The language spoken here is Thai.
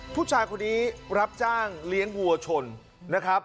ผู้ชายคนนี้รับจ้างเลี้ยงวัวชนนะครับ